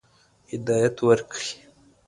هدایت ورکړي.